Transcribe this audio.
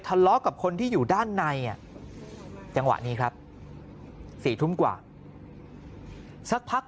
ทะเลาะกับคนที่อยู่ด้านในจังหวะนี้ครับ๔ทุ่มกว่าสักพัก